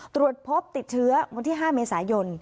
ตรวจพบติดเชื้อวันที่๕เมษายน